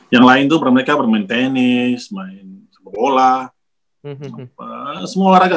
yang lain itu mereka bermain tenis main sepak bola semua olahraga